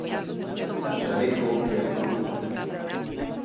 ¡ chaleco y al club!